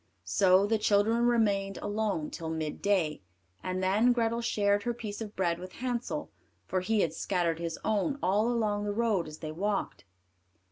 So the children remained alone till mid day, and then Grethel shared her piece of bread with Hansel, for he had scattered his own all along the road as they walked.